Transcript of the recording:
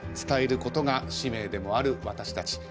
伝えることが使命でもある私たち。